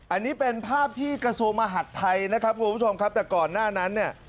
อันนี้เป็นภาพที่กระทรวงมหัฐไทยนะครับคุณผู้ชมครับแต่ก่อนหน้านั้นเนี่ย